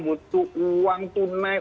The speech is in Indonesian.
butuh uang tunai